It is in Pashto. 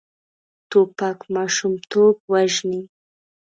توپک ماشومتوب وژني.